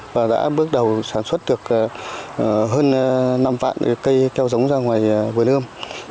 và đã bước đầu sản xuất được hơn năm vạn cây keo giống ra ngoài vườn ươm